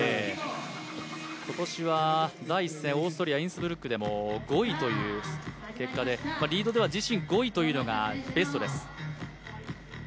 今年は第１戦オーストリアのインスブルックでも５位という結果でリードでは自身５位というのがベストです。